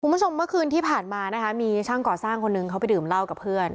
คุณผู้ชมเมื่อคืนที่ผ่านมานะคะมีช่างก่อสร้างคนหนึ่งเขาไปดื่มเหล้ากับเพื่อน